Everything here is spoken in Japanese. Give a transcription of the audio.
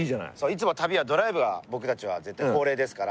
いつも旅はドライブが僕たちは絶対恒例ですから。